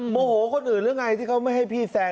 โมโหคนอื่นหรือไงที่เขาไม่ให้พี่แซน